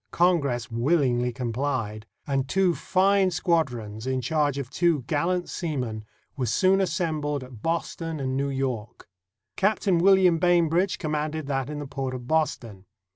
Congress willingly complied, and two fine squadrons, in charge of two gallant seamen, were soon assembled at Boston and New York. Captain William Bainbridge commanded that in the port of Boston.